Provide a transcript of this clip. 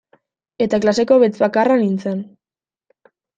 Eta klaseko beltz bakarra nintzen.